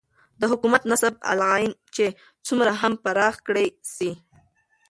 دحكومت نصب العين چې څومره هم پراخ كړى سي